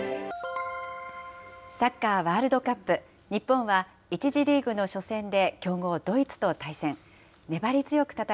サッカーワールドカップ、日本は１次リーグの初戦で強豪ドイツと対戦。